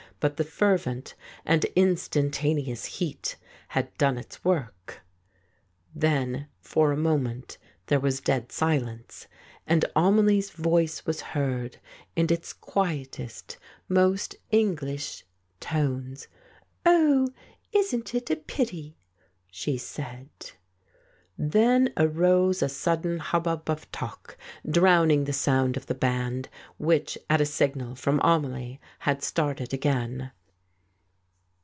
But the fervent and instantaneous heat had done its work. Then for a moment there was dead silence, and Amelie's voice was heard in its quietest, most English tones. "Oh, isn't that a pity !" she said. Then arose a sudden hubbub of talk, drowning the sound of the band, which, at a signal from Amelie, had started again.